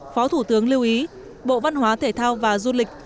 phó thủ tướng lưu ý bộ văn hóa thể thao và du lịch